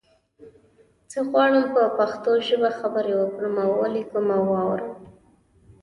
زه غواړم په پښتو ژبه خبری وکړم او ولیکم او وارم